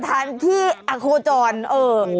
ภาพนี้เป็นหน้า